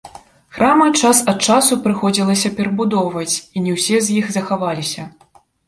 Храмы час ад часу прыходзілася перабудоўваць, і не ўсе з іх захаваліся.